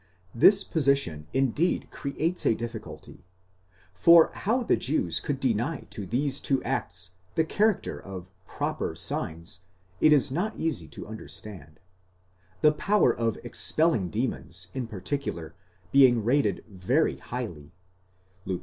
This position indeed creates a difficulty, for how the Jews could deny to these two acts the character of proper ségvs it is not easy to understand ; the power of expelling demons, in particular, being rated very highly (Luke x.